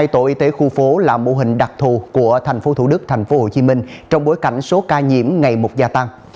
hai trăm linh hai tổ y tế khu phố là mô hình đặc thù của tp thcm trong bối cảnh số ca nhiễm ngày một gia tăng